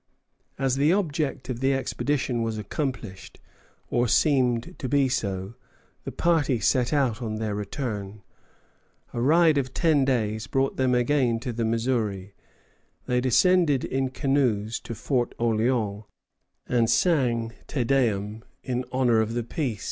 As the object of the expedition was accomplished, or seemed to be so, the party set out on their return. A ride of ten days brought them again to the Missouri; they descended in canoes to Fort Orléans, and sang Te Deum in honor of the peace.